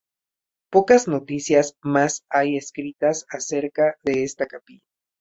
Pocas noticias más hay escritas acerca de esta capilla.